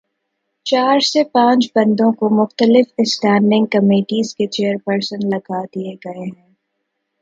چار سے پانچ بندوں کو مختلف اسٹینڈنگ کمیٹیز کے چیئر پرسن لگادیے گئے ہیں۔